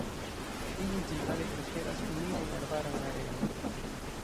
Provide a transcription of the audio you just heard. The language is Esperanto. Ili ĝenerale preferas humidajn arbarajn areojn.